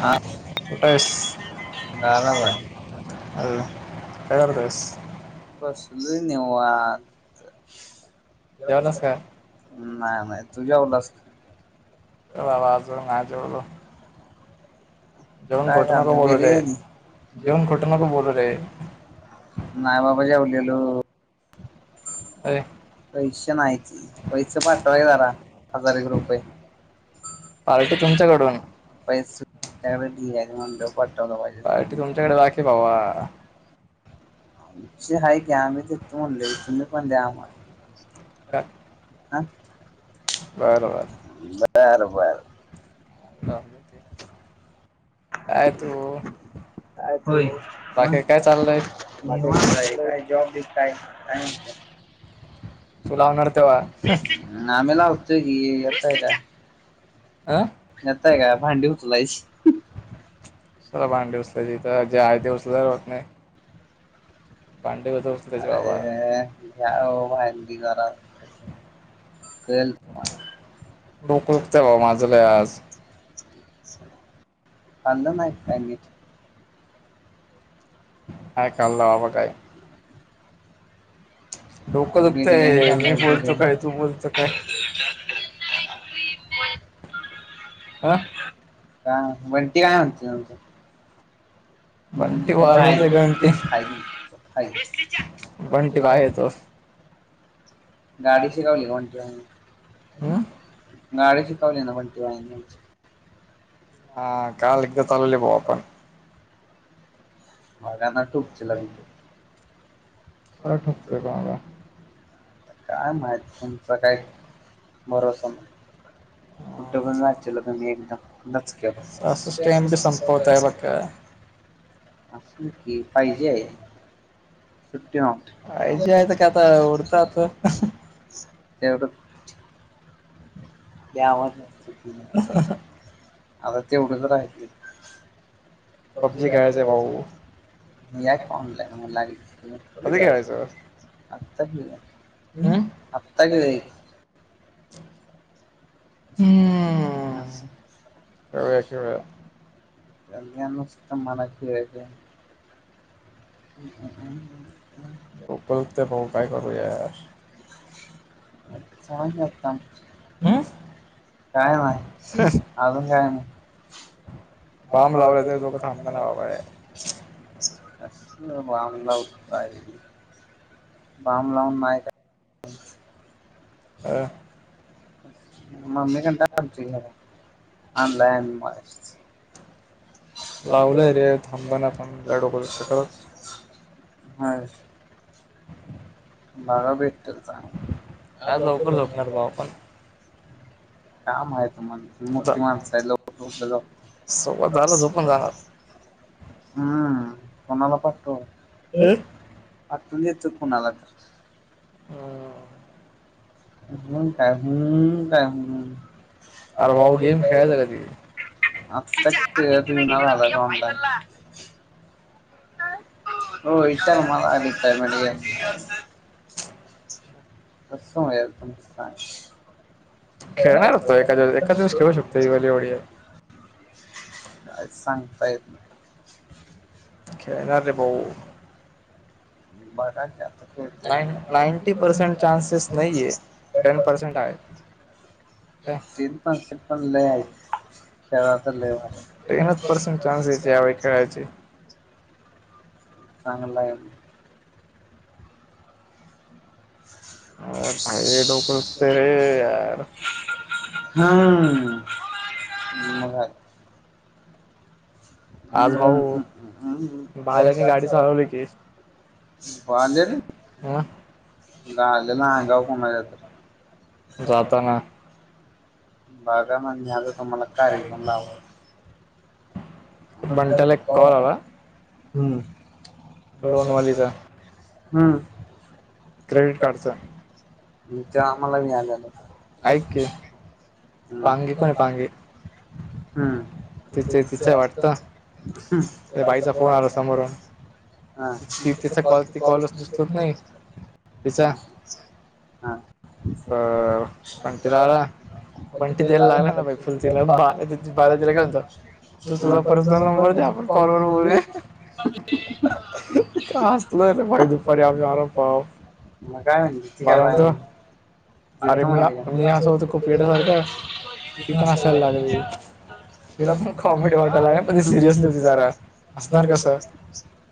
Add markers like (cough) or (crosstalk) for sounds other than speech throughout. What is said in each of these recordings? हा कुठ आहेस अ काय करतोयस बसलोय निवांत नाय माहीत तु जेवलास काय अजून नाय जेवलो काय खाल्लं बिर्यानी नाय बाबा जेवलेलो पैसे नाहीती पैसे पाठवाय जरा हजार एक रुपये (inaudible) काय माहीत पाटवल पाहिजे आमची आहे की आम्ही देतोय म्हणलोय की तुम्ही पण द्या आम्हाला काय ह बरं बरं ते काय तु (unintelligible) जॉब बिब काय आम्ही लावतोय की यताय का अ यताय का भांडी उचलायची कशाला भांडी उचल (unintelligible) (unintelligible) अरे भांडी घरात कळलं तुम्हाला खाल्लं नाही का नीट नाय खाल्ल बाबा काय डोकं दुखतंय मी बोलतो काय तू बोलतो काय (inaudible) काय मग बंटी काय म्हणतोय तुमचा बंटी बाहेर आहे गाडी शिकवली कोणती गाडी शिकवली ना कोण (unintelligible) हा काल एकदा चालवली भावा आपण मगाना टोकचीला आता काय माहित तुमचं काय भरोसा नाय कुठ पण जाचीला तुम्ही एकदम लचक्यात अस स्टॅम्प भी संपवताय बघा असुदेत की फाय जी आहे सत्या आयजी आहेच का आता उडतात एवढं गावात आता तेवढच राहतील पब्जी खेळायचय भाऊ या की ऑनलाइन कधी खेळायच आता खेळुया हम्म आता खेळुया की हम्म कल्याण नुसत मनात ठेवायचं (inaudible) उटतयं भाऊ बघु यार अच्छा काय मग अजून काय मग बांब लावलाय तोघं थांबाना झालय. (unintelligible) कसलं बाम लावू (unintelligible) बम लावून नाही का (unintelligible) ममी न, (unintelligible) लावलंय रे थांबना थांब लय डोक दुखतंय खरच. हा, मघा भेटत चांगलं. (unintelligible) (inaudible) काम आहेत मन मोठी माणसा ल (unintelligible) (inaudible) हम्म कोणा न पााततो, (unintelligible) आठून येत कुणाला तर हम, हू-हू काय हू-हू, (unintelligible) आता, (unintelligible) होय, (unintelligible) कस होईल तुम (unintelligible) (unintelligible) (unintelligible) का सांगता येत नाय. खळणार रे भाऊ (unintelligible) थंड हाय तीन पणश पण लव तर ल टनच परर्सेट चा्स आहे खेळायचे चांगला आहे ना. (unintelligible) डोक दुखतंय रे यार. हम्म (unintelligible) (unintelligible) (unintelligible) हो आले ना. ह (unintelligible) जाताना. बाघा मन म्याल तुम्हाला. कार्यक्रम लाव (unintelligible) हम्म (unintelligible) हम्म. (unintelligible) ते आम्हाला मी आल्यालं ऐ, (unintelligible) पांगे कोण आहे पांगे. (unintelligible) हम्म, (unintelligible) त्या बाईचा फोन. (unintelligible) हा तथ कॉल कॉलच (unintelligible) तच (unintelligible) (unintelligible) पालून बली, (unintelligible) (unintelligible) हसलं (unintelligible) मग काय म्हणाली (unintelligible) (unintelligible) तुला कॉमेडी वाटला त सिरियस जरा ना कस. (unintelligible)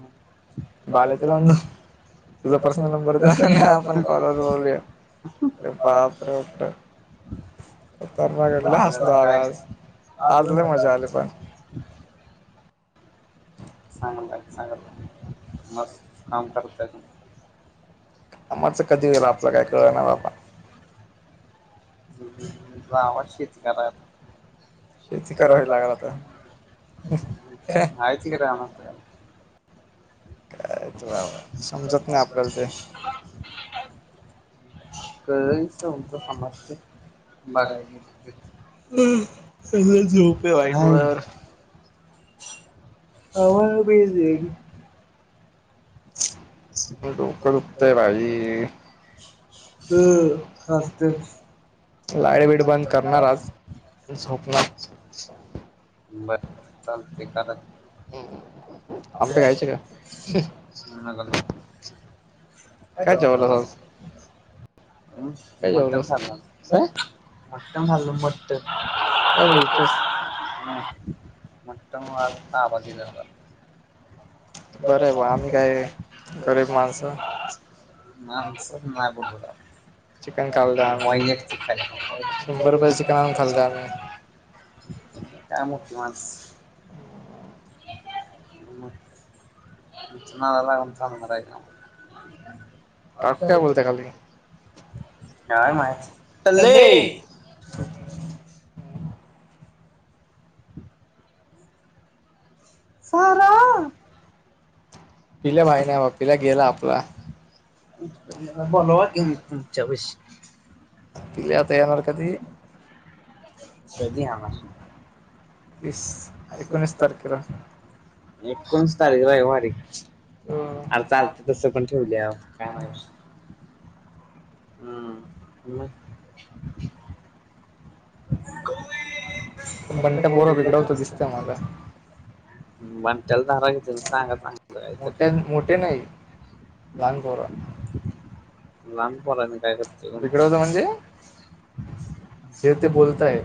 (inaudible) बाले त लवण, तुझा पर्सनल नंबर द्या आणि आपण कॉलवर बोलूया (unintelligible) पाचर उठत (unintelligible) हसलो आग आज आज लय मजा आली पण सांगला सांग मग काम करत्यात. आमाच कधी होईल आपलं काय कळलं ना बाबा जावा शेतकर्यात (unintelligible) हायच की रानांत (unintelligible) समजत नाही आपल्याला ते कळलेच तुमच समज त्यय बघा (unintelligible) अव भेज देन ल डोक दुखतंय भाई लाइट बीट बंद करणार आज झोप (unintelligible) बर चालते करा की आमच घायचं का? मी नाइ करनार (unintelligible) मोठ्यानं सांगा काय मठम झाल मोठं काय बोलतोस. ह मोठन आज तावा दिलेला (inaudible) नामच माग पुढं (inaudible) काय मोठी माण म मला लावून चालनार हाय का काय माहित तल्ले सारा बोल वा (unintelligible) च वीस पिलय आता येणार काय ते कधी येणार तीस एकोणीस तारखेला एकोणीस तारीख रेवारी आर चालत्यय तसं पण ठेवल्याव काय नाही विषय हम्म मग (inaudible) हम्म बन जल धारा घेतून सांगत नाय लहान पोरा सनी काय करतो (unintelligible) जे ते बोलत आहे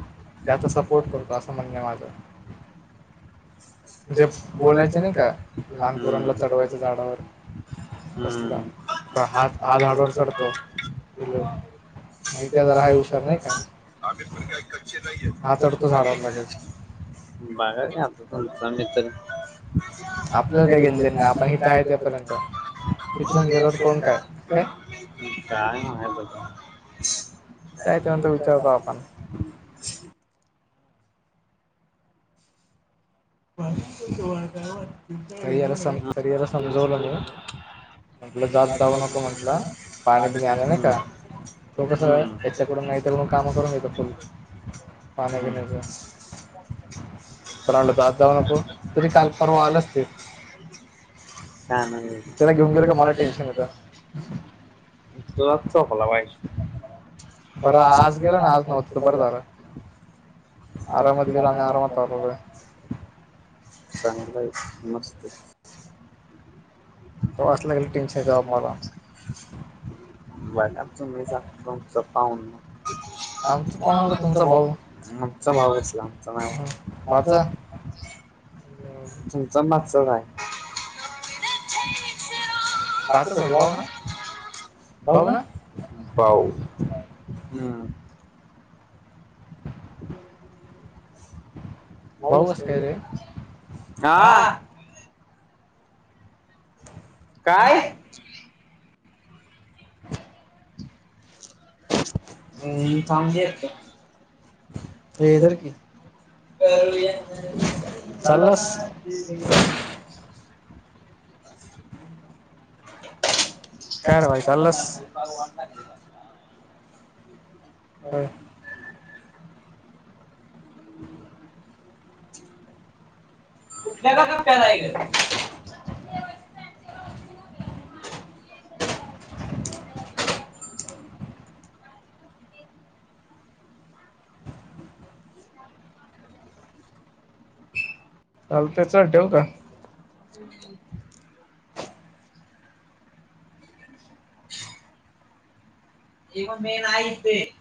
त्याचा सपोर्ट करतो असं म्हण माझं म्हणजे बोलायचे नाही का? लहान पोराना चढवायच झाडावर कसला त हात हा झाडावर चढतो. किलो नाही त्या जरा हाय हुशार नाही का? (inaudible) बघा की आता तुमचा मित्र आपलं काय घेण देण नाइ‌ आपण काय करना काय (unintelligible) काय त्यानंतर विचारतो आपण तरी याला सम तरी याला समजोल मी म्हटलं जात जाऊ नको म्हटलं पाणी बिनी आलं नाइ का? हम्म. पाण्या पिण्याच पण आड दादा पाठवा तरी काल परवा आलच ते (inaudible) त्याला घेऊन गेलं का मला टेन्शन येतं (unintelligible) बरं आज गेलं ना आज नव्हत बरं झालं अरामात गेलो आणि आरामात आलो ग संध्याकाळी मस्तच तो असला की तीनशे जॉब मला बगा तुम्हीच आणि तुमच पावन आमच कोण आल तुमचं भाऊ आमचा भाऊ दिसला आमचा नाय (unintelligible) तुमचा मागचाच हाय (unintelligible) नात (unintelligible) भाऊ नाही बाऊ हम्म (inaudible) भाऊ कस काय रे हा काय (inaudible) हम् थांब येतो (unintelligible) चालास (unintelligible) काय (unintelligible) (unintelligible) (inaudible) कुठल्या काप्प्यात हाय ग आपलं चालेल काम (unintelligible) (inaudible) ये मम्मे नाय इथे